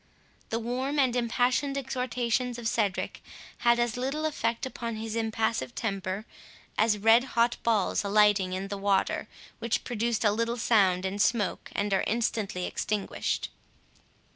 The warm and impassioned exhortations of Cedric had as little effect upon his impassive temper, as red hot balls alighting in the water, which produce a little sound and smoke, and are instantly extinguished.